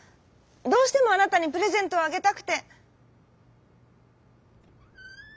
どうしてもあなたにプレゼントをあげたくて」。